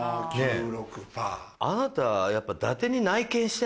ねぇあなたやっぱ。